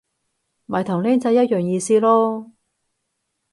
咪同僆仔一樣意思囉